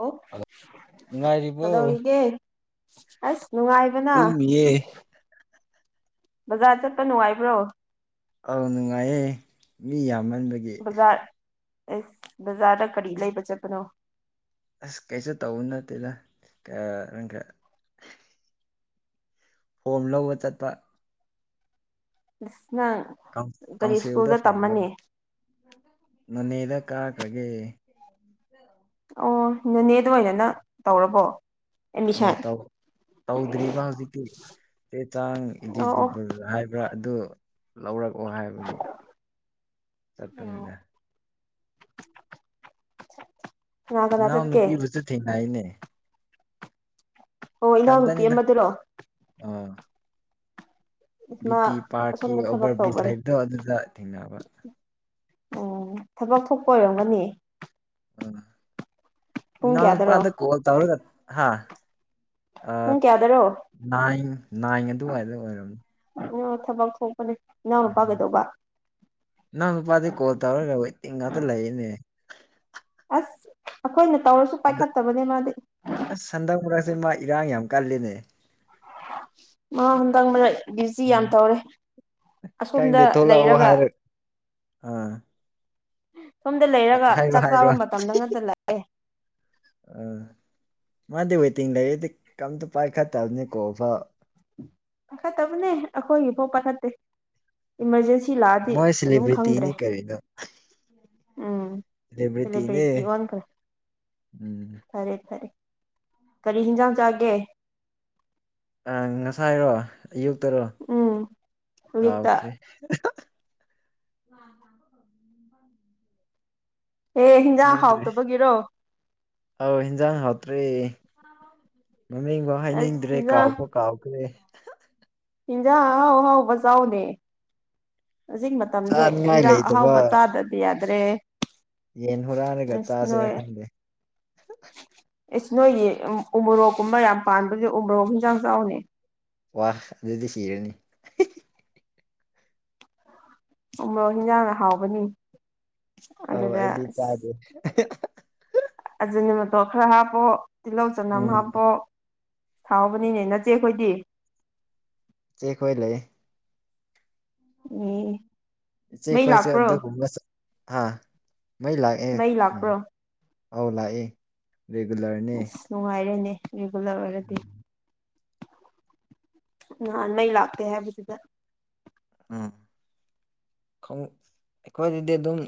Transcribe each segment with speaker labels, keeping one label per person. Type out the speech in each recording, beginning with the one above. Speaker 1: ꯑꯣ
Speaker 2: ꯑꯗ ꯅꯨꯡꯉꯥꯏꯔꯤꯕꯣ
Speaker 1: ꯀꯗꯧꯔꯤꯒꯦ ꯑꯁ ꯅꯨꯡꯉꯥꯏꯕꯅ
Speaker 2: ꯇꯨꯝꯃꯤꯌꯦ
Speaker 1: ꯕꯖꯥꯔ ꯆꯠꯄ ꯅꯨꯡꯉꯥꯏꯕ꯭ꯔꯣ
Speaker 2: ꯑ ꯅꯨꯡꯉꯥꯏꯌꯦ ꯃꯤ ꯌꯥꯝ ꯍꯗꯒꯤ
Speaker 1: ꯕꯖꯥꯔ ꯑꯦꯁ ꯕꯖꯥꯔꯗ ꯀꯔꯤ ꯂꯩꯕ ꯆꯠꯄꯅꯣ
Speaker 2: ꯑꯁ ꯀꯩꯁꯨ ꯇꯧꯕ ꯅꯠꯇꯦꯗꯥ ꯏꯪꯈ ꯐꯣꯝ ꯂꯧꯕ ꯆꯠꯄꯥ
Speaker 1: ꯑ
Speaker 2: ꯀꯥꯎ ꯀꯥꯎꯟꯁꯤꯜꯗ ꯐꯣ ꯐꯤꯂꯞ ꯅꯣꯅꯦꯗ ꯀꯥꯈ꯭ꯔꯒꯦ
Speaker 1: ꯑꯣ ꯅꯅꯦꯗ ꯑꯣꯏꯅꯅ ꯇꯧꯔꯕꯣ
Speaker 2: ꯑ
Speaker 1: ꯑꯦꯠꯃꯤꯁꯟ
Speaker 2: ꯇꯧ ꯇꯧꯗ꯭ꯔꯤꯕ ꯍꯧꯖꯤꯛꯇꯤ ꯆꯦ ꯆꯥꯡ
Speaker 1: ꯑꯣ
Speaker 2: ꯏꯗꯤꯕꯜ ꯍꯥꯏꯕ꯭ꯔꯥ ꯑꯗꯨ ꯂꯧꯔꯛ ꯑꯣ ꯍꯥꯏꯕꯒꯤ
Speaker 1: ꯑꯣ
Speaker 2: ꯆꯠꯄꯅꯤꯅꯦ
Speaker 1: ꯀꯅꯥ ꯀꯅꯥ
Speaker 2: ꯅꯅꯥꯎ
Speaker 1: ꯆꯠꯀꯦ
Speaker 2: ꯅꯨꯄꯤꯕꯨꯁꯨ ꯊꯦꯡꯅꯏꯅꯦ
Speaker 1: ꯑꯣ ꯏꯅꯥꯎꯅꯨꯄꯤ
Speaker 2: ꯏꯊꯟꯇꯅꯤꯗ
Speaker 1: ꯑꯃꯗꯨꯔꯣ
Speaker 2: ꯑꯥ ꯕꯤ
Speaker 1: ꯃꯥ
Speaker 2: ꯇꯤ ꯄꯥꯔꯛꯀꯤ
Speaker 1: ꯑꯁꯣꯝꯗ ꯊꯕꯛ
Speaker 2: ꯑꯣꯚꯔ ꯕ꯭ꯔꯤꯖ
Speaker 1: ꯇꯧꯕꯅꯦ
Speaker 2: ꯂꯩꯕꯗꯣ ꯑꯗꯨꯗ ꯊꯦꯡꯅꯕ
Speaker 1: ꯑꯣ ꯊꯕꯛ ꯊꯣꯛꯄ ꯑꯣꯏꯔꯝꯒꯅꯤ
Speaker 2: ꯑꯥ
Speaker 1: ꯄꯨꯡ
Speaker 2: ꯅ
Speaker 1: ꯀꯌꯥꯗꯔꯣ
Speaker 2: ꯄꯗ ꯀꯣꯜ ꯇꯧꯔꯒ ꯍꯥꯥ ꯑ
Speaker 1: ꯄꯨꯡ ꯀꯌꯥꯗꯔꯣ
Speaker 2: ꯅꯥꯏ ꯅꯥꯏ ꯑꯗꯨꯋꯥꯏꯗ ꯑꯣꯏꯔꯝꯅꯤ
Speaker 1: ꯑꯣ ꯊꯕꯛ ꯊꯣꯛꯄꯅꯦ
Speaker 2: ꯎꯝ
Speaker 1: ꯏꯅꯥꯎꯅꯨꯄꯥ ꯀꯩꯗꯧꯕ
Speaker 2: ꯅꯪ ꯅꯨꯄꯥꯗꯤ ꯀꯣꯜ ꯇꯧꯔꯒ ꯋꯦꯇꯤꯡ ꯉꯥꯛꯇ ꯂꯩꯅꯦ
Speaker 1: ꯑꯩꯈꯣꯏ
Speaker 2: ꯑꯗ ꯑꯁ ꯍꯟꯗꯛ ꯃꯔꯛꯁꯦ ꯃꯥ ꯏꯔꯥꯡ ꯌꯥꯝ ꯀꯜꯂꯦꯅꯦ ꯍ
Speaker 1: ꯃꯥ ꯍꯟꯗꯛ ꯃꯔꯛ ꯕꯤꯌꯨꯖꯤ ꯌꯥꯝ
Speaker 2: ꯎꯝ
Speaker 1: ꯇꯧꯔꯦ ꯑꯁꯣꯝꯗ
Speaker 2: ꯈꯪꯗꯦ ꯊꯣꯛꯂꯛꯑꯣ
Speaker 1: ꯂꯩꯔꯒ
Speaker 2: ꯍꯥꯏꯔ ꯑꯥ
Speaker 1: ꯁꯣꯝꯗ ꯂꯩꯔꯒ
Speaker 2: ꯍꯥꯏꯔꯣ
Speaker 1: ꯆꯥꯛ
Speaker 2: ꯍꯥꯏꯔꯣ
Speaker 1: ꯆꯥꯕ ꯃꯇꯝꯗ ꯉꯥꯛꯇ ꯂꯥꯛꯑꯦ
Speaker 2: ꯎꯝ ꯃꯥꯗꯤ ꯋꯦꯇꯤꯡ ꯂꯩꯔꯗꯤ ꯀꯝꯇ ꯄꯥꯏꯈꯠꯇꯕꯅꯤꯀꯣꯐ
Speaker 1: ꯄꯥꯈꯠꯇꯕꯅꯦ ꯑꯩꯈꯣꯏꯒꯤꯐꯥꯎ ꯄꯥꯈꯠꯇꯦ ꯏꯃꯥꯔꯖꯦꯟꯁꯤ ꯁꯤ ꯂꯥꯛꯑꯗꯤ
Speaker 2: ꯃꯣꯏ
Speaker 1: ꯑꯗꯨꯝ
Speaker 2: ꯁꯦꯂꯤꯕ꯭ꯔꯤꯇꯤꯅꯤ
Speaker 1: ꯈꯪꯗ꯭ꯔꯦ
Speaker 2: ꯀꯔꯤꯅꯣ
Speaker 1: ꯎꯝ
Speaker 2: ꯁꯦꯂꯤꯕ꯭ꯔꯤꯇꯤꯅꯦ
Speaker 1: ꯁꯦꯂꯦꯕ꯭ꯔꯤꯇꯤ ꯑꯣꯟꯈ꯭ꯔꯦ
Speaker 2: ꯎꯝ
Speaker 1: ꯐꯔꯦ ꯐꯔꯦ ꯀꯔꯤ ꯍꯤꯟꯖꯥꯡ ꯆꯥꯒꯦ
Speaker 2: ꯑ ꯉꯁꯥꯏ ꯍꯥꯏꯔꯣ ꯑꯌꯨꯛꯇꯔꯣ
Speaker 1: ꯎꯝ ꯑꯌꯨꯛꯇ
Speaker 2: ꯀꯥꯎꯈ꯭ꯔꯦ ꯑ ꯍ
Speaker 1: ꯑꯦ ꯍꯤꯟꯖꯥꯡ
Speaker 2: ꯀꯗꯔꯤ
Speaker 1: ꯍꯥꯎꯇꯕꯒꯤꯔꯣ
Speaker 2: ꯑ ꯍꯟꯖꯥꯡ ꯍꯇ꯭ꯔꯤ ꯃꯃꯤꯡꯐꯥꯎ
Speaker 1: ꯑꯁ
Speaker 2: ꯍꯥꯏꯅꯤꯡꯗ꯭ꯔꯦ ꯀꯥꯎꯕ ꯀꯥꯎꯈ꯭ꯔꯦ
Speaker 1: ꯍꯖ ꯍꯥꯎ ꯍꯥꯎ ꯐꯁꯥꯎꯗꯦ ꯍꯧꯖꯤꯛ ꯃꯇꯝꯁꯦ
Speaker 2: ꯆꯥꯅꯤꯡꯉꯥꯏ
Speaker 1: ꯏꯟꯖꯥꯡ
Speaker 2: ꯂꯩꯇꯕ
Speaker 1: ꯑꯍꯥꯎꯕ ꯆꯥꯗꯕ ꯌꯥꯗ ꯑꯗꯨ꯭ꯔꯦ
Speaker 2: ꯌꯦꯟ ꯍꯨꯔꯥꯅꯤꯒ ꯆꯥꯥꯁꯔ ꯈꯪꯗꯦ
Speaker 1: ꯑꯦꯁ ꯅꯣꯏꯒꯤ ꯎꯃꯣꯔꯣꯛꯀꯨꯝꯕ ꯌꯥꯝ ꯄꯥꯟꯕꯁ ꯎꯃꯣꯔꯣꯛ ꯍꯤꯡꯖꯥꯡ ꯆꯥꯎꯅꯦ
Speaker 2: ꯋꯥꯍ ꯑꯗꯨꯗꯤ ꯁꯤꯔꯅꯤ
Speaker 1: ꯎ꯭ꯔꯣꯛ ꯍꯟꯖꯥꯡꯅ ꯍꯥꯎꯕꯅꯤ
Speaker 2: ꯑ
Speaker 1: ꯑꯗꯨꯗ
Speaker 2: ꯑꯩꯗꯤ ꯆꯥꯗꯦ
Speaker 1: ꯑꯗꯨ ꯃꯇꯣ ꯈꯔ ꯍꯥꯞꯄꯣ ꯇꯤꯜꯍꯧ ꯆꯅꯝ
Speaker 2: ꯎꯝ
Speaker 1: ꯍꯥꯞꯄꯣ ꯁꯥꯎꯕꯅꯤꯅꯦ ꯅꯠꯆꯦꯈꯣꯏꯗꯤ
Speaker 2: ꯆꯦꯛꯈꯣꯏ ꯂꯩ
Speaker 1: ꯎꯝ
Speaker 2: ꯆꯦ
Speaker 1: ꯃꯩ
Speaker 2: ꯀꯣꯏꯁꯦ
Speaker 1: ꯂꯥꯛꯄ꯭ꯔꯣ
Speaker 2: ꯑꯗꯨ ꯑꯥ ꯃꯣꯏ ꯂꯦ ꯑꯦ
Speaker 1: ꯃꯩ
Speaker 2: ꯎ
Speaker 1: ꯂꯥꯛꯄ꯭ꯔꯣ
Speaker 2: ꯑꯧꯂ ꯑꯦ
Speaker 1: ꯑꯁ ꯅꯨꯡꯉꯥꯏꯔꯦꯅꯦ ꯏꯒꯂ ꯑꯣꯏꯔꯗꯤ
Speaker 2: ꯎꯝ
Speaker 1: ꯑ ꯅ ꯂꯥꯛꯇ ꯍꯥꯏꯕꯨꯗꯨꯗ
Speaker 2: ꯎꯝ ꯑꯩꯈꯣꯏꯗꯗꯤ ꯑꯗꯨꯝ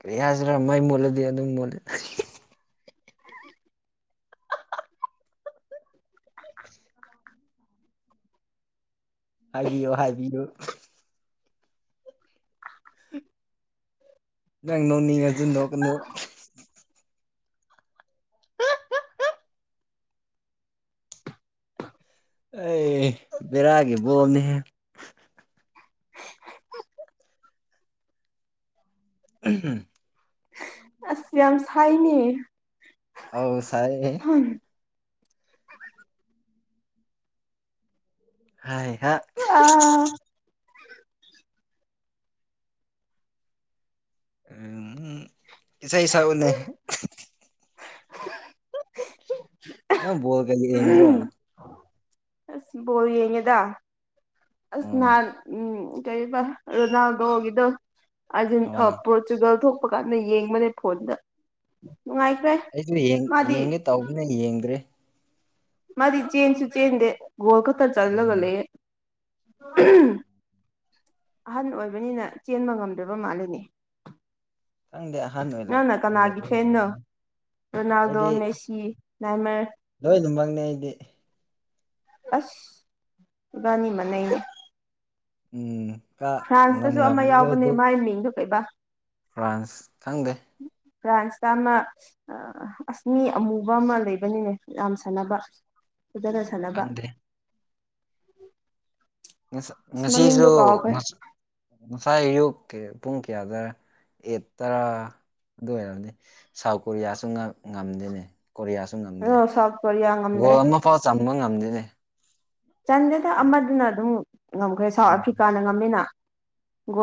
Speaker 2: ꯀꯔꯤ ꯍꯥꯏꯁꯤꯔ ꯃꯩ ꯃꯣꯠꯂꯗꯤ ꯑꯗꯨꯝ ꯃꯣꯠꯂ
Speaker 1: [inaudible]
Speaker 2: ꯍꯥꯏꯕꯤꯌꯣ ꯍꯥꯏꯕꯤꯌꯣ ꯌꯥꯅꯣ ꯅꯤꯡ ꯑꯗꯨ ꯅꯣꯀꯅ ꯑꯩ ꯕꯦꯔꯥꯒꯤꯕꯣꯅꯦꯍ ꯝ
Speaker 1: ꯑꯁ ꯌꯥꯝ ꯁꯥꯏꯅꯦ
Speaker 2: ꯍꯥꯎ ꯁꯥꯏ ꯍꯥꯏ ꯍꯥ
Speaker 1: ꯑ
Speaker 2: ꯎꯝ ꯏꯁꯩ ꯏꯁꯅꯦ
Speaker 1: [inaudible]
Speaker 2: ꯍ ꯅ ꯣꯜ ꯀ ꯌꯦꯗ꯭ꯔ
Speaker 1: ꯩꯅꯗ ꯑꯁ
Speaker 2: ꯎꯝ
Speaker 1: ꯅꯥꯟ ꯎꯝ ꯀꯩꯕ ꯔꯣꯅꯥꯜꯗ ꯍꯒꯗꯣ ꯑ
Speaker 2: ꯑꯣ
Speaker 1: ꯄꯣꯣꯔꯆꯨꯒꯜ ꯊ ꯂꯄ ꯀꯥꯟꯗ ꯌꯦꯡꯕꯅꯦ ꯐꯣꯟꯗ ꯅꯨꯡꯉꯥꯏꯈ꯭ꯔꯦ
Speaker 2: ꯑꯩꯁꯨ
Speaker 1: ꯃꯥꯗꯤ
Speaker 2: ꯌꯦꯡꯒꯦ ꯇꯧꯒꯦꯅ ꯌꯦꯡꯒ꯭ꯔꯦ
Speaker 1: ꯃꯗꯤ ꯆ ꯆꯩꯁꯨ ꯆꯗꯦ ꯀꯣꯜꯀꯇꯥ ꯆꯜꯂꯒ
Speaker 2: ꯎꯝ
Speaker 1: ꯂꯩꯦ ꯑꯍꯟ ꯑꯣꯏꯕꯅꯤꯅ ꯆꯦꯟꯕ ꯉꯝꯗ꯭ꯔꯕ ꯃꯥꯜꯂꯤꯅꯦ
Speaker 2: ꯈꯪꯗꯦ ꯑꯍꯟ ꯑꯣꯏꯔꯛ
Speaker 1: ꯅꯪꯅ ꯀꯅꯥꯒꯤ
Speaker 2: ꯑꯣꯏꯔꯛꯄ
Speaker 1: ꯐ꯭ꯔꯦꯅꯣ
Speaker 2: ꯑꯣꯏꯔꯝꯅꯤ
Speaker 1: ꯔꯣꯅꯥꯜꯗꯣ ꯃꯦꯁꯤ ꯃꯥꯃ
Speaker 2: ꯂꯣꯏ ꯑꯗꯨꯝꯃꯛꯪꯅꯤ ꯑꯩꯗꯤ
Speaker 1: ꯑꯁ ꯔꯅꯤ ꯃꯅꯏꯅꯦ
Speaker 2: ꯎꯝ ꯀ ꯉꯝ
Speaker 1: ꯐ꯭ꯔꯥꯟꯁꯇꯁꯨ ꯑꯃ
Speaker 2: ꯉꯝꯕꯗꯣ
Speaker 1: ꯌꯥꯎꯕꯅꯦ
Speaker 2: ꯑꯗꯨ
Speaker 1: ꯃꯥꯏ ꯃꯤꯡꯗꯣ ꯩꯕ
Speaker 2: ꯐ꯭ꯔꯥꯟꯁ ꯈꯪꯗꯦ
Speaker 1: ꯐ꯭ꯔꯥꯟꯁꯇ ꯑꯃ ꯑꯁꯅꯤ ꯑꯃꯨꯕ ꯑꯃ ꯂꯩꯕꯅꯤꯅꯦ ꯌꯥꯝ ꯁꯥꯟꯅꯕ ꯐꯖꯅ ꯁꯥꯟꯅꯕ
Speaker 2: ꯈꯪꯗꯦ ꯉ
Speaker 1: ꯑꯁ
Speaker 2: ꯉꯁꯤꯁꯨ
Speaker 1: ꯃꯃꯤꯡꯗꯣ ꯀꯥꯎꯈ꯭ꯔꯦ
Speaker 2: ꯉꯁꯥꯏ ꯑꯌ ꯄꯨꯡ ꯀꯌꯥꯗ ꯑꯦꯠ ꯇꯔꯥ ꯑꯗꯨ ꯑꯣꯏꯔꯕꯗꯤ ꯁꯥꯎꯠ ꯀꯣꯔꯤꯌꯥꯁꯨ ꯉꯝꯗꯦꯅꯦ ꯀꯣꯔꯤꯌꯥꯁꯨ ꯉꯝꯗꯦ
Speaker 1: ꯑꯗꯣ ꯁꯥꯎꯠ ꯀꯣꯔꯤꯌꯥ
Speaker 2: ꯒꯣꯜ
Speaker 1: ꯉꯝꯗ꯭ꯔꯦ
Speaker 2: ꯑꯃꯐꯥꯎ ꯆꯪꯝꯕ ꯉꯝꯗꯦꯅꯦ
Speaker 1: ꯆꯟꯗꯦꯗ ꯑꯃꯗꯨꯅ ꯑꯗꯨꯝ ꯉꯝꯈ꯭ꯔꯦ ꯁꯥꯎꯠ
Speaker 2: ꯎꯝ
Speaker 1: ꯑꯐ꯭ꯔꯤꯀꯥꯅ ꯉꯝꯃꯤꯅ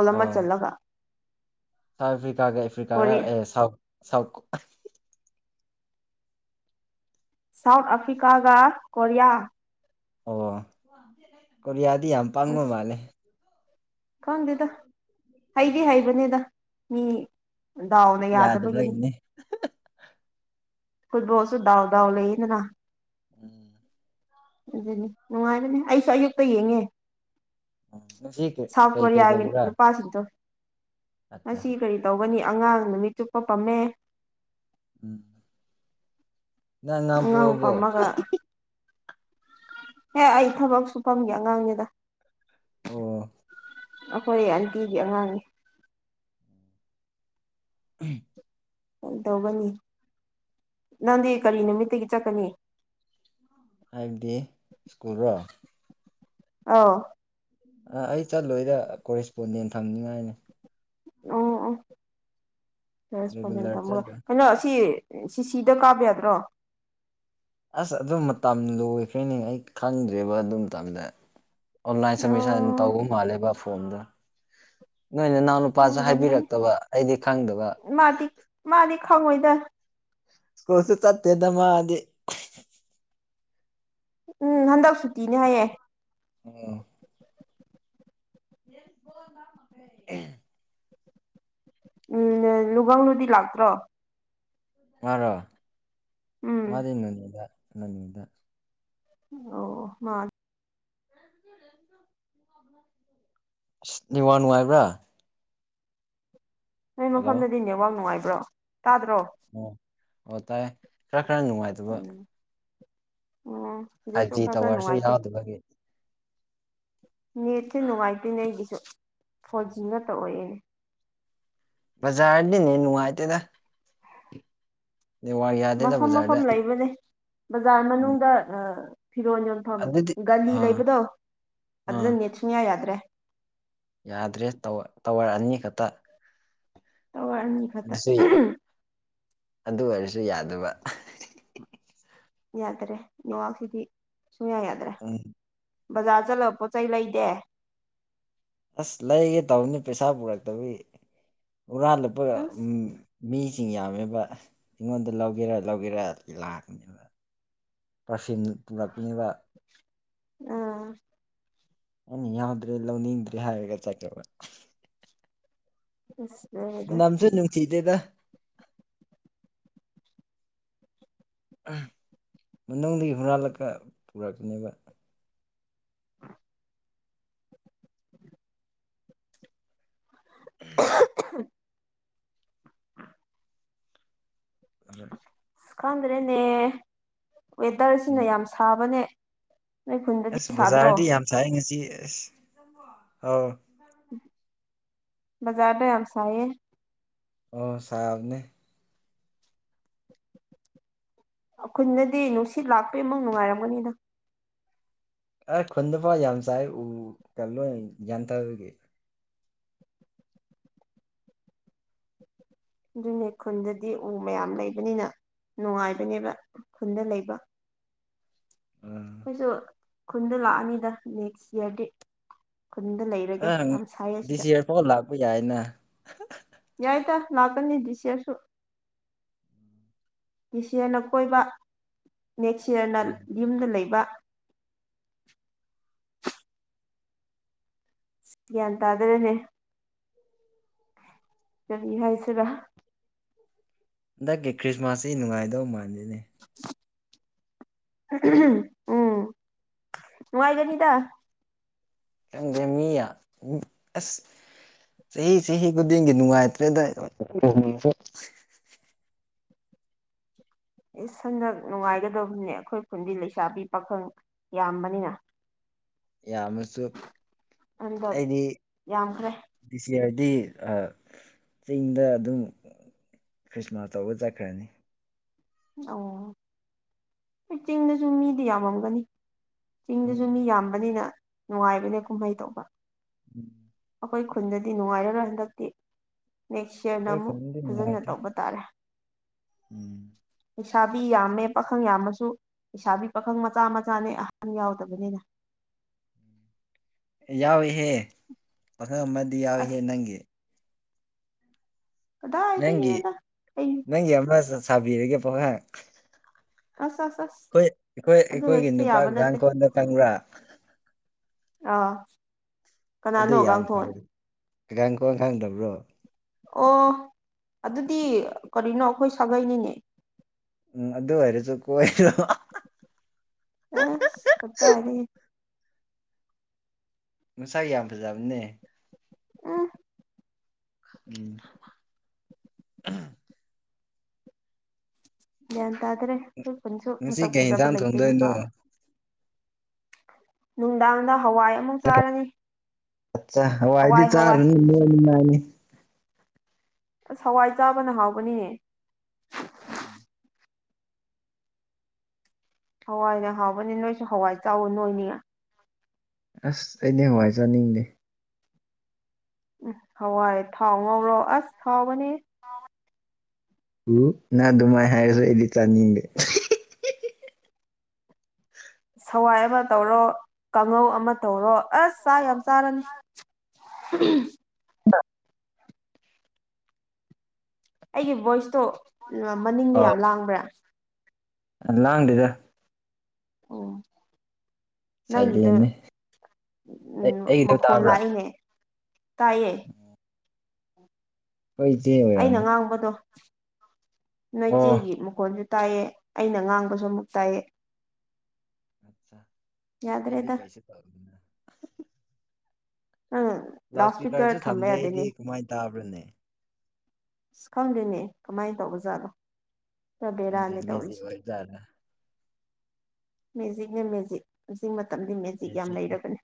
Speaker 1: ꯣꯂꯝꯕ
Speaker 2: ꯑꯥꯎ
Speaker 1: ꯆꯜꯂꯒ
Speaker 2: ꯁꯥꯎꯠ ꯑꯐ꯭ꯔꯤꯀꯥꯒ ꯑꯦꯐ꯭ꯔꯤꯀꯥꯒ
Speaker 1: ꯀꯣꯔꯤ
Speaker 2: ꯑꯦ ꯁꯥꯎ ꯁꯥꯎꯠ
Speaker 1: ꯁꯥꯎꯠ ꯑꯐ꯭ꯔꯤꯀꯥꯒ ꯀꯣꯔꯤꯌꯥ
Speaker 2: ꯑꯣ ꯀ ꯌꯥ ꯀ ꯌꯥꯝ ꯄꯥꯡꯕ
Speaker 1: ꯑꯁ
Speaker 2: ꯃꯥꯜꯂꯦ
Speaker 1: ꯈꯪꯗꯦꯗ ꯍꯩꯗꯤ
Speaker 2: ꯎꯝ
Speaker 1: ꯍꯥꯏꯩꯕꯅꯦꯗ ꯃꯤ ꯗꯥꯎꯅ ꯌꯥꯗꯕꯒꯤꯅꯤ
Speaker 2: ꯌꯥꯗꯕꯩꯅꯦ
Speaker 1: ꯐꯨꯠꯕꯣꯜꯁꯨꯗꯥꯎꯗꯥꯎ ꯂꯩꯗꯅ
Speaker 2: ꯎꯝ
Speaker 1: ꯑꯗꯨꯅꯤ ꯅꯨꯡꯉꯥꯏꯔꯅꯦ ꯑꯩꯁꯨ ꯑꯌꯨꯛꯇ ꯌꯦꯡꯉꯦ
Speaker 2: [inaudible]
Speaker 1: ꯁꯥꯎꯠ
Speaker 2: ꯀꯩ
Speaker 1: ꯀꯣꯔꯤꯌꯥꯒꯤ
Speaker 2: ꯂꯩꯕ꯭ꯔꯥ
Speaker 1: ꯅꯨꯄꯥꯁꯤꯡꯗꯨꯣ ꯉ
Speaker 2: ꯑꯠꯆꯥ
Speaker 1: ꯀꯔꯤ ꯇꯧꯒꯅꯤ ꯑꯉꯥꯡ ꯅꯨꯃꯤꯠ ꯆꯨꯞꯄ ꯄꯝꯃꯦ
Speaker 2: ꯎꯝ ꯏ ꯉ
Speaker 1: ꯑꯉꯥꯡ
Speaker 2: ꯄꯕꯣ
Speaker 1: ꯑꯦꯦ ꯑꯩ ꯊꯕꯛ ꯁꯨ ꯐꯝꯒꯦ ꯑꯉꯥꯡꯒꯤꯗ
Speaker 2: ꯑꯣ
Speaker 1: ꯑꯩꯈꯣꯏ ꯑꯟꯇꯤꯒꯤ ꯑꯉꯥꯡꯅꯦ
Speaker 2: ꯎꯝ
Speaker 1: ꯀ ꯇꯧꯒꯅꯤ ꯅꯪꯗꯤ ꯀꯔꯤ ꯅꯨꯃꯤꯠꯇꯒꯤ ꯆꯠꯀꯅꯤ
Speaker 2: ꯑꯥꯏꯕꯗꯤ ꯁ꯭ꯀꯨꯜꯔꯣ
Speaker 1: ꯑꯥ
Speaker 2: ꯑ ꯑꯩ ꯆꯠꯂꯣꯏꯗ ꯀꯣꯔꯦꯁꯄꯣꯟꯗꯦꯟ ꯐꯪꯅꯤꯉꯥꯏꯅꯦ
Speaker 1: ꯑꯣ ꯑꯣ ꯆꯄꯖꯦꯟ
Speaker 2: ꯔꯤꯒꯨꯂꯔ
Speaker 1: ꯊꯝꯃꯒ
Speaker 2: ꯆꯠꯂꯣꯏ
Speaker 1: ꯀꯩꯅꯣ ꯑꯁꯤ ꯁꯤꯁꯤꯗ ꯀꯥꯕ ꯌꯥꯗ꯭ꯔꯣ
Speaker 2: ꯑꯁ ꯑꯗꯨ ꯃꯇꯝ ꯂꯣꯏꯈ꯭ꯔꯦꯅꯦ ꯑꯩ ꯈꯪꯗ꯭ꯔꯦꯕ ꯑꯗꯨ ꯃꯇꯝꯗ ꯑꯣꯟꯂꯥꯏꯟ ꯁꯃꯤꯁꯟ
Speaker 1: ꯑꯣ
Speaker 2: ꯇꯧꯕꯨꯝ ꯃꯥꯜꯂꯦꯕ ꯐꯣꯟꯣꯟꯗ ꯅꯣꯏꯅ ꯏꯅꯥꯎꯅꯄꯥꯁꯨ
Speaker 1: ꯎꯝꯔꯝꯒꯅꯤ
Speaker 2: ꯍꯥꯏꯕꯤꯔꯛꯇꯕ ꯑꯩꯗꯤ ꯈꯪꯗꯕ
Speaker 1: ꯃꯥꯗꯤ ꯃꯥꯗꯤ ꯈꯪꯉꯣꯏꯗ
Speaker 2: ꯁ꯭ꯀꯨꯜꯁꯨ ꯆꯠꯇꯦꯗ ꯃꯥꯗꯤ
Speaker 1: ꯎꯝ ꯍꯟꯗꯛ ꯁꯨꯇꯤꯅꯦ ꯍꯥꯏꯌꯦꯦ
Speaker 2: ꯑꯣꯝ [inaudible]
Speaker 1: ꯎꯝ ꯅꯨꯡꯒꯪꯅꯗꯤ ꯂꯥꯛꯇ꯭ꯔꯣ
Speaker 2: ꯃꯔꯔ
Speaker 1: ꯎꯝ
Speaker 2: ꯃꯥꯔꯤꯅꯅꯤꯗ ꯅꯅꯤꯗ
Speaker 1: ꯑꯣ ꯃꯥ
Speaker 2: ꯋꯥꯥ ꯅꯨꯡꯉꯥꯏꯕ꯭ꯔꯥ
Speaker 1: ꯅꯣꯏ
Speaker 2: ꯍꯜꯂꯣ
Speaker 1: ꯃꯐꯝꯗꯗꯤ ꯏꯅꯦꯋꯥ ꯅꯨꯡꯉꯥꯏꯕ ꯄꯨ꯭ꯔꯣ ꯇꯥꯗ꯭ꯔꯣ
Speaker 2: ꯑꯣꯏꯇꯥꯦ ꯔꯛ ꯈꯔ ꯅꯨꯡꯉꯥꯏꯇꯕ
Speaker 1: ꯎꯝ ꯑꯣ
Speaker 2: ꯐꯥꯏꯚ
Speaker 1: ꯁꯤꯗꯁꯨ
Speaker 2: ꯖꯤ
Speaker 1: ꯈꯔ ꯈꯔ
Speaker 2: ꯇꯥꯋꯥꯔꯁꯨ
Speaker 1: ꯅꯨꯡꯉꯥꯏꯇꯦ
Speaker 2: ꯌꯥꯎꯗꯕꯒꯤ
Speaker 1: ꯅꯦꯠꯁꯦ ꯅꯨꯡꯉꯥꯏꯇꯣꯏꯅꯦ ꯑꯩꯒꯤꯁꯨ ꯐꯣꯔ ꯖꯤ ꯅꯠꯇ ꯑꯣꯏꯌꯦꯅꯦ
Speaker 2: ꯕꯖꯥꯗꯤꯅꯤ ꯅꯨꯡꯉꯥꯏꯇꯦꯗ ꯅꯦꯠꯋꯥꯔꯛ ꯌꯥꯗꯦꯗ
Speaker 1: ꯃꯐꯝ
Speaker 2: ꯕꯖꯥꯔꯗ
Speaker 1: ꯃꯐꯝ ꯂꯩꯕꯅꯦ ꯕꯖꯥꯔ
Speaker 2: ꯎꯝ
Speaker 1: ꯃꯅꯨꯡꯗ ꯐꯤꯔꯣ ꯌꯣꯟꯐꯝ
Speaker 2: ꯑꯗꯨꯗꯤ
Speaker 1: ꯒꯂꯤ
Speaker 2: ꯑꯥ
Speaker 1: ꯂꯩꯕꯗꯣ ꯑꯗꯨꯗ
Speaker 2: ꯑꯥ
Speaker 1: ꯅꯦꯠ ꯁꯨꯡꯌꯥ ꯌꯥꯗ꯭ꯔꯦ [inaudible]
Speaker 2: ꯌꯥꯗ꯭ꯔꯦ ꯇꯋꯥꯔ ꯑꯅꯤ ꯈꯛꯇ
Speaker 1: ꯇꯋꯥꯔ ꯑꯅꯤ ꯈꯛꯇ
Speaker 2: ꯁꯤ ꯑꯗꯨ ꯀ ꯁꯨ ꯌꯥꯗꯕ
Speaker 1: ꯌꯥꯗ꯭ꯔꯦ ꯌꯋꯁꯤꯗꯤ ꯁꯨꯡꯌꯥ ꯌꯥ
Speaker 2: ꯎ
Speaker 1: ꯕꯖꯥꯔ ꯆꯠꯂꯒ ꯄꯣꯠ ꯆꯩ ꯂꯩꯗꯦ
Speaker 2: ꯑꯁ ꯂꯩꯒꯦ ꯇꯧꯅꯤ ꯄꯩꯁꯥ ꯄꯨꯔꯛꯇꯕꯤꯒꯤ ꯎꯔꯥꯜꯂꯄ
Speaker 1: ꯑꯁ
Speaker 2: ꯎꯝ ꯃꯤ ꯁꯤꯡ ꯌꯥꯝꯃꯦꯕ ꯑꯩꯉꯣꯟꯗ ꯂꯧꯒꯦꯔ ꯂꯧꯒꯦꯔ ꯂꯥꯛꯀꯅꯦꯕ ꯊꯤꯟ ꯇꯨꯔꯛꯛꯇꯅꯕ
Speaker 1: ꯑꯥ
Speaker 2: ꯑꯅꯤ ꯌꯥꯎꯗ꯭ꯔꯦ ꯂꯧꯅꯤꯡꯗ꯭ꯔꯦ ꯍꯥꯏꯔꯒ ꯆꯠꯀꯕ
Speaker 1: ꯎ
Speaker 2: ꯅꯝꯁꯨ ꯅꯨꯡꯁꯤꯗꯦꯗ ꯃꯅꯨꯡꯗꯒꯤ ꯍꯨꯔꯥꯜꯂꯛꯀ ꯄꯨꯔꯛꯀꯅꯦꯕ
Speaker 1: [inaudible]
Speaker 2: ꯑ
Speaker 1: ꯈꯥꯥꯟꯗ꯭ꯔꯦꯅꯦ ꯋꯦꯗꯔꯁꯤꯅ
Speaker 2: ꯎꯝ
Speaker 1: ꯌꯥꯝ ꯁꯥꯕꯅꯦ ꯅꯣꯏ ꯈꯨꯟꯗꯗꯤ
Speaker 2: ꯑꯁ
Speaker 1: ꯁꯥꯗ꯭ꯔꯣ
Speaker 2: ꯕꯖꯥꯔꯗꯤ ꯌꯥꯝ ꯁꯥꯏ ꯉꯁꯤ ꯍꯥꯎ
Speaker 1: ꯕꯖꯥꯔꯗ ꯌꯥꯝꯁꯥꯏꯌꯦ
Speaker 2: ꯑꯣ ꯁꯥꯍꯕꯅꯦ
Speaker 1: ꯑꯩꯈꯣꯏꯅꯗꯤ ꯅꯨꯡꯁꯤꯠ ꯂꯥꯛꯄꯩ ꯑꯃꯨꯛ ꯅꯨꯡꯉꯥꯏꯔꯝꯒꯅꯤꯗ
Speaker 2: ꯑꯩ ꯈꯨꯟꯗ ꯐꯥꯎ ꯌꯥꯝ ꯆꯥꯏ ꯎ ꯀ ꯂꯣꯏ ꯒ꯭ꯌꯥꯟꯊꯥꯔꯒꯦ
Speaker 1: ꯑꯗꯨꯅꯦ ꯈꯨꯟꯗꯗꯤ ꯎ ꯃꯌꯥꯝ ꯂꯩꯕꯅꯤꯅ ꯅꯨꯡꯉꯥꯏꯕꯅꯦꯕ ꯈꯨꯟꯗ ꯂꯩꯕ
Speaker 2: ꯎꯝ
Speaker 1: ꯑꯩꯈꯣꯏꯁꯨ ꯈꯨꯟꯗ ꯂꯥꯛꯑꯅꯤꯗ ꯅꯦꯛꯁ ꯏꯌꯥꯔꯗꯤ
Speaker 2: ꯑꯪ ꯗꯤꯁ ꯏꯌꯥꯔꯐꯥꯎ ꯂꯥꯛꯄ ꯌꯥꯏꯅ [inaudible]
Speaker 1: ꯂꯥꯛꯀꯅꯤ ꯗꯤꯁꯏꯌꯥꯔꯁꯨ ꯗꯤꯁꯏꯌꯥꯔꯅ ꯀꯣꯏꯕ ꯅꯦꯛꯁ ꯌꯌꯥꯔꯅ
Speaker 2: ꯑꯣ
Speaker 1: ꯌꯨꯝꯗ ꯂꯩꯕ ꯒ꯭ꯌꯥꯟ ꯇꯥꯗ꯭ꯔꯦꯅꯦ ꯀꯔꯤ ꯍꯥꯏꯁꯤꯔ
Speaker 2: ꯍꯟꯗꯛꯀꯤ ꯈ꯭ꯔꯤꯁꯃꯥꯁꯁꯤ ꯅꯨꯡꯉꯥꯏꯗꯧ ꯃꯥꯜꯜꯂꯤ ꯑꯗꯨꯅꯦ
Speaker 1: ꯎꯝ ꯅꯨꯡꯉꯥꯏꯒꯅꯤꯗ
Speaker 2: ꯈꯪꯗꯦ ꯃꯤꯌꯥ ꯎ ꯑꯁ ꯆꯍꯤ ꯆꯍꯤ ꯈꯨꯗꯤꯡꯒꯤ ꯅꯨꯡꯉꯥꯏꯇ꯭ꯔꯦ ꯑꯗꯨ
Speaker 1: ꯏꯁ ꯍꯟꯗꯛ ꯅꯨꯡꯉꯥꯏꯒꯗꯧꯕꯅꯦ ꯑꯩꯈꯣꯏ ꯈꯨꯟꯗꯤ ꯂꯩꯁꯥꯕꯤ ꯄꯥꯈꯪ ꯌꯥꯝꯕꯅꯤꯅ
Speaker 2: ꯌꯥꯝꯃꯁꯨ
Speaker 1: ꯍꯟꯗꯛ
Speaker 2: ꯑꯩꯗꯤ
Speaker 1: ꯌꯥꯝꯈ꯭ꯔꯦ
Speaker 2: ꯏꯆꯦ ꯗꯤ ꯆꯤꯡꯗ ꯑꯗꯨꯝ ꯈ꯭ꯔꯤꯁꯃꯥꯁ ꯇꯧꯕ ꯆꯠꯈ꯭ꯔꯅꯤ
Speaker 1: ꯑꯣ ꯍꯣꯏ ꯆꯤꯡꯗꯁꯨ ꯃꯤꯗꯤ ꯌꯥꯝꯃꯝꯒꯅꯤ ꯆꯤꯡꯗꯁꯨ
Speaker 2: ꯎꯝ
Speaker 1: ꯃꯤ ꯌꯥꯝꯕꯅꯤꯅ ꯅꯨꯡꯉꯥꯏꯕꯅꯦ ꯀꯨꯝꯍꯩ ꯇꯧꯕ
Speaker 2: ꯎꯝ
Speaker 1: ꯑꯩꯈꯣꯏ ꯈꯨꯟꯗꯗꯤ ꯅꯨꯡꯉꯥꯏꯔꯔꯣꯏ ꯍꯟꯗꯛꯇꯤ ꯅꯦꯛꯁ ꯏꯌꯥꯔꯗ
Speaker 2: ꯑꯩꯈꯣꯏ
Speaker 1: ꯑꯃꯨꯛ
Speaker 2: ꯈꯨꯟꯗꯤ
Speaker 1: ꯐꯖꯅ
Speaker 2: ꯅꯨꯡꯉꯥꯏꯇꯦ
Speaker 1: ꯇꯧꯕ ꯇꯥꯔꯦ
Speaker 2: ꯎꯝ
Speaker 1: ꯂꯩꯩꯁꯥꯕꯤ ꯌꯥꯝꯃꯦ ꯄꯥꯈꯪ ꯌꯥꯝꯃꯁꯨ ꯂꯩꯁꯥꯕꯤ ꯄꯥꯈꯪ ꯃꯆꯥ ꯃꯆꯥꯅꯦ ꯑꯍꯟ ꯌꯥꯎꯗꯕꯅꯤꯅ
Speaker 2: ꯌꯥꯎꯏꯍꯦ ꯈꯔ ꯃꯗꯤ ꯌꯥꯎꯍꯦ
Speaker 1: ꯑꯁ
Speaker 2: ꯅꯪꯒꯤ ꯅꯪꯒꯤ
Speaker 1: ꯀꯗꯥꯏꯗꯒꯤꯅꯣꯗ ꯑꯩ
Speaker 2: ꯅꯪꯒꯤ ꯑꯃ ꯊꯥꯕꯤꯔꯒꯦ ꯄꯣꯍꯞ
Speaker 1: ꯑꯁ ꯑꯁ ꯑꯁ
Speaker 2: ꯑꯩꯈꯣꯏ ꯑꯩꯈꯣꯏ
Speaker 1: ꯑꯗꯨ
Speaker 2: ꯑꯩꯈꯣꯏꯒꯤ
Speaker 1: ꯍꯦꯛꯇ ꯌꯥꯕ
Speaker 2: ꯅꯨꯄꯥꯒꯤ
Speaker 1: ꯅꯠꯇꯦ
Speaker 2: ꯀꯥꯡꯥꯈꯣꯟꯗ ꯀꯪꯕ꯭ꯔꯥ
Speaker 1: ꯑꯥ
Speaker 2: ꯑꯗꯨ ꯌꯥꯝ
Speaker 1: ꯀꯅꯥꯅꯣꯒꯥꯡꯊꯣꯟ
Speaker 2: ꯐꯩ ꯒꯥꯡꯈꯣꯟ ꯈꯪꯗꯕ꯭ꯔꯣ
Speaker 1: ꯑꯣ ꯑꯗꯨꯗꯤ ꯀꯔꯤꯅꯣ ꯑꯩꯈꯣꯏ ꯁꯥꯒꯩꯅꯤꯅꯦ
Speaker 2: ꯎꯝ ꯑꯗꯨ ꯑꯣꯏꯔ ꯆ ꯀꯁꯨ
Speaker 1: ꯑꯦ ꯀꯠꯇ ꯍꯥꯏꯔꯤ
Speaker 2: ꯉꯁꯥ ꯌꯥꯝ ꯐꯖꯕꯅꯦ
Speaker 1: ꯑ
Speaker 2: ꯎꯝ
Speaker 1: ꯒ꯭ꯌꯥꯟ ꯇꯥꯗꯔꯦ ꯑꯩꯈꯣꯏ ꯈꯨꯟꯁꯨ
Speaker 2: ꯉꯁꯤ
Speaker 1: ꯃꯁꯛ
Speaker 2: ꯀꯩ
Speaker 1: ꯐꯖꯕ
Speaker 2: ꯌꯦꯟꯁꯥꯡ
Speaker 1: ꯂꯩꯇꯦ
Speaker 2: ꯊꯣꯡꯗꯣꯏꯅꯣ
Speaker 1: ꯅꯨꯄꯥꯗ ꯅꯨꯡꯗꯥ ꯑ
Speaker 2: ꯋꯥꯥꯏꯗꯤ
Speaker 1: ꯍꯋꯥꯏ ꯍꯋꯥꯏ
Speaker 2: ꯆꯥꯔꯅꯤꯅꯤ
Speaker 1: ꯑꯁ ꯍꯋꯥꯏ ꯆꯥꯕꯅ ꯍꯥꯎꯕꯅꯤ ꯍꯋꯥꯏꯅ ꯍꯥꯎꯕꯅꯤ ꯅꯣꯏꯁꯨ ꯍꯋꯥꯏ ꯆꯥꯎꯋ ꯅꯣꯏꯅꯤ
Speaker 2: ꯑꯁ ꯑꯩꯅꯦ ꯍꯥꯏꯖꯅꯤꯡꯗꯦ
Speaker 1: ꯎꯝ ꯍꯋꯥꯏ ꯊꯥꯎ ꯉꯧꯔꯣ ꯑꯁ ꯊꯥꯎꯕꯅꯦ
Speaker 2: ꯎ ꯅ ꯑꯗꯨꯃꯥꯏ ꯍꯥꯏꯔꯁꯨ ꯑꯩꯗꯤ ꯆꯥꯅꯤꯡꯗꯦ
Speaker 1: ꯁꯋꯥꯏ ꯑꯃ ꯇꯧꯔꯣ ꯀꯥꯡꯉꯧ ꯑꯃ ꯇꯧꯔꯣ ꯑꯁ ꯆꯥꯛ ꯌꯥꯝ ꯆꯥꯔꯅꯤ ꯑꯩꯒꯤ ꯚꯣꯏꯁꯇꯣ ꯃꯅꯤꯡꯗꯣ
Speaker 2: ꯑꯣ
Speaker 1: ꯌꯥꯝ ꯂꯥꯡꯕ꯭ꯔꯥ
Speaker 2: ꯂꯥꯡꯗꯦꯗ
Speaker 1: ꯑꯣ ꯅꯪꯒꯤꯗꯣ
Speaker 2: ꯁꯥꯏꯂꯦꯟꯅꯦ
Speaker 1: ꯎꯝ
Speaker 2: ꯑꯩ ꯑꯩꯒꯤꯗꯣ
Speaker 1: ꯃꯈꯣꯟ
Speaker 2: ꯇꯥꯕ꯭ꯔꯥ
Speaker 1: ꯂꯥꯛꯏꯍꯦ ꯇꯌꯦ
Speaker 2: ꯍꯣꯏ ꯏꯆꯦ ꯑꯣꯏꯔꯕꯝꯅꯦ
Speaker 1: ꯅꯣꯏꯆꯦꯒꯤ ꯃꯀꯣꯟ ꯇꯥꯏꯌꯦ ꯑꯩꯅ ꯉꯥꯡꯕꯁꯨ ꯑꯃꯨꯛ ꯇꯥꯏꯌꯦ
Speaker 2: ꯑꯠꯆꯥ ꯑꯩꯗꯤ
Speaker 1: ꯌꯥꯗ꯭ꯔꯦꯗ
Speaker 2: ꯀꯩꯁꯨ ꯇꯧꯔꯅ
Speaker 1: ꯅꯪ
Speaker 2: ꯂꯥꯎꯠ
Speaker 1: ꯏꯁꯄꯤꯀꯔ
Speaker 2: ꯏꯁꯄꯤꯀꯔꯁꯨꯦ
Speaker 1: ꯊꯝꯕ
Speaker 2: ꯊꯝꯖꯩ ꯑꯩꯗꯤ
Speaker 1: ꯌꯥꯗꯦꯅꯦ
Speaker 2: ꯀꯃꯥꯏꯅ ꯇꯥꯕ꯭ꯔꯣ ꯄꯨꯟꯅ
Speaker 1: ꯑꯁ ꯈꯪꯗꯣꯏꯅꯦ ꯀꯃꯥꯏꯅ ꯇꯧꯕꯖꯥꯠꯗꯣ
Speaker 2: ꯀ ꯃꯁꯤ ꯑꯣꯏꯗ
Speaker 1: ꯃꯦꯛ ꯅ ꯃꯦꯛ ꯃ ꯃꯇꯝꯗꯤ ꯃꯦꯖꯤꯛ ꯌꯥꯝ
Speaker 2: ꯃꯦꯖꯤꯛꯅꯦ
Speaker 1: ꯂꯩꯔꯕꯅꯤ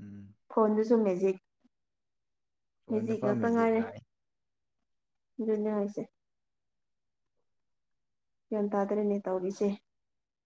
Speaker 2: ꯎꯝ
Speaker 1: ꯐꯣꯟꯗꯨꯁꯨ ꯃꯦꯖꯤꯛ
Speaker 2: ꯐꯣꯟꯗ
Speaker 1: ꯃꯦꯖꯤꯛ
Speaker 2: ꯐꯥꯎ
Speaker 1: ꯉꯥꯛꯇ
Speaker 2: ꯃꯦꯖꯤꯛ
Speaker 1: ꯉꯥꯏꯔꯦ
Speaker 2: ꯂꯥꯛꯑꯦ
Speaker 1: ꯁ ꯒ꯭ꯌꯥꯟ ꯇꯥꯗ꯭ꯔꯦꯅꯦ ꯇꯧꯔꯤꯁꯦ